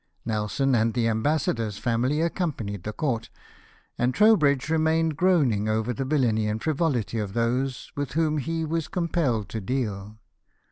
Nelson and the ambassador's family accompanied the court, and Trowbridge remained, groaning over the villainy and frivolity of those with whom he was compelled to deal.